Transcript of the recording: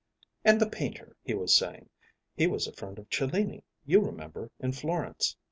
"And the painter," he was saying, "he was a friend of Cellini, you remember, in Florence.